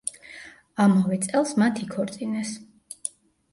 ამავე წელს მათ იქორწინეს.